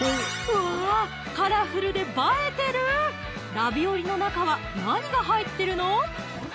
うわカラフルで映えてるラビオリの中は何が入ってるの？